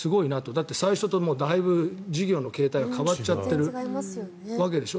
だって最初とだいぶ、事業の形態が変わっちゃってるわけでしょ。